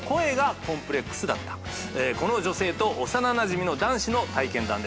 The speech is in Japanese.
この女性と幼なじみの男子の体験談です。